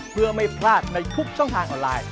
เพื่อไม่พลาดในทุกช่องทางออนไลน์